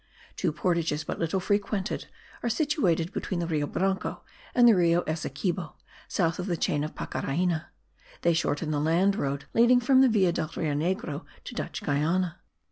Two portages but little frequented* are situated between the Rio Branco and the Rio Essequibo, south of the chain of Pacaraina; they shorten the land road leading from the Villa del Rio Negro to Dutch Guiana.